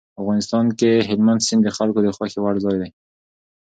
افغانستان کې هلمند سیند د خلکو د خوښې وړ ځای دی.